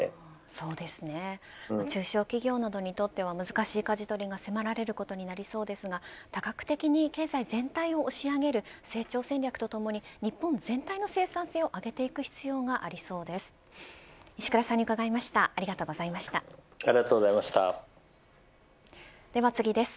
そうですね中小企業などにとっては難しいかじ取りが迫られることになりそうですが多角的に経済全体を押し上げる成長戦略とともに日本全体の生産性を上げていく必要がありそうです。